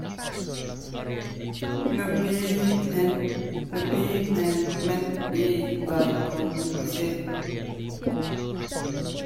Nupi man manh hi Laiphung a si.